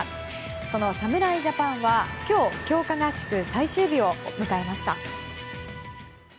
その侍ジャパンは今日、強化合宿最終日を迎えました。